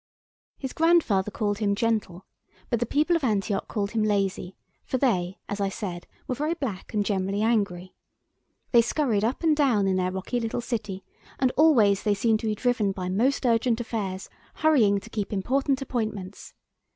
His grandfather called him "gentle," but the people of Antioch called him "lazy," for they, as I said, were very black, and generally angry. They scurried up and down in their rocky little city, and always they seemed to be driven by most urgent affairs, hurrying to keep important appointments.